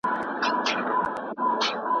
انا غوښتل چې خپل لمونځونه په ارامۍ وکړي.